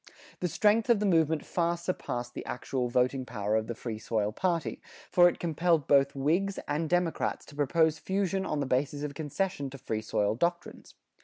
The strength of the movement far surpassed the actual voting power of the Free Soil party, for it compelled both Whigs and Democrats to propose fusion on the basis of concession to Free Soil doctrines.